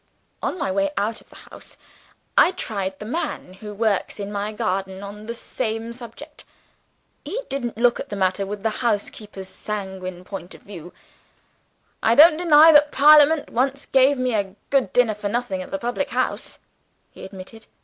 On my way out of the house, I tried the man who works in my garden on the same subject. He didn't look at the matter from the housekeeper's sanguine point of view. 'I don't deny that parliament once gave me a good dinner for nothing at the public house,' he admitted.